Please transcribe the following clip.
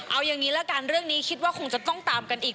เอาอย่างนี้ละกันเรื่องนี้คิดว่าคงจะต้องตามกันอีก